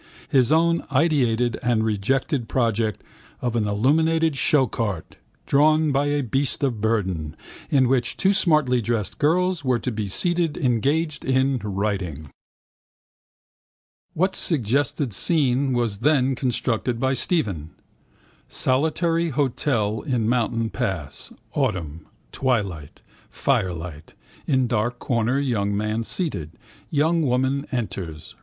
His own ideated and rejected project of an illuminated showcart, drawn by a beast of burden, in which two smartly dressed girls were to be seated engaged in writing. What suggested scene was then constructed by Stephen? Solitary hotel in mountain pass. Autumn. Twilight. Fire lit. In dark corner young man seated. Young woman enters.